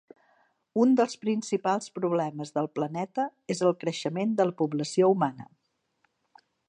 Un dels principals problemes del planeta és el creixement de la població humana.